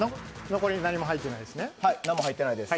残り何も入ってないですね。